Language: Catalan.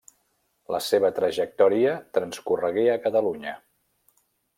La seva trajectòria transcorregué a Catalunya.